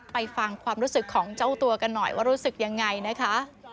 ฟังความรู้สึกของเจ้าตัวกันหน่อยว่ารู้สึกยังไงนะคะ